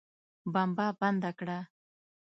بمبه بنده کړه.